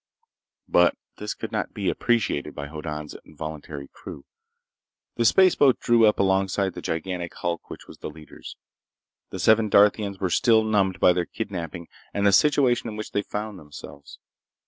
But this could not be appreciated by Hoddan's involuntary crew. The spaceboat drew up alongside the gigantic hulk which was the leader's. The seven Darthians were still numbed by their kidnaping and the situation in which they found themselves.